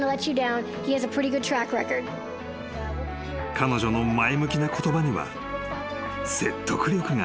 ［彼女の前向きな言葉には説得力がある］